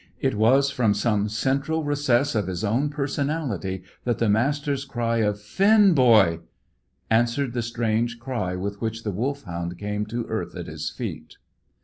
It was from some central recess of his own personality that the Master's cry of "Finn, boy!" answered the strange cry with which the Wolfhound came to earth at his feet.